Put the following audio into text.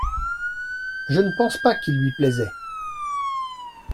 Je ne pense pas qu’il lui plaisait.